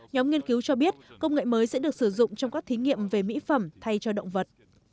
nhóm nghiên cứu cho biết công nghệ mới sẽ được sử dụng trong các thí nghiệm về mỹ phẩm thay cho động vật